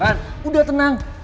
ran udah tenang